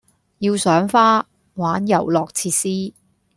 要賞花、玩遊樂設施